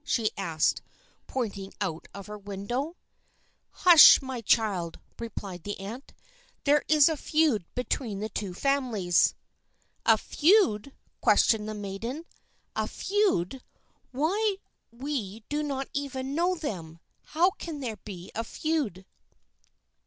she asked, pointing out of her window. "Hush, my child," replied her aunt. "There is a feud between the two families." "A feud?" questioned the maiden. "A feud? Why, we do not even know them! How can there be a feud?"